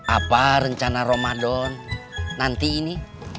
apa rencana ramadan nanti ini